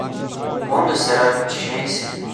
Quando será a contingência?